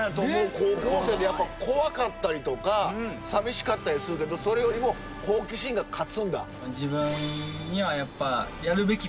高校生でやっぱ怖かったりとか寂しかったりするけどそれよりも好奇心が勝つんだ。